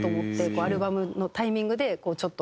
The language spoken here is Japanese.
アルバムのタイミングでちょっと。